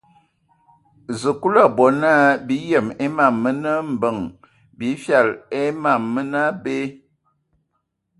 Sikulu a bɔ na bi yem a mam mənə mbəŋ bi fyal e ma mənə abe.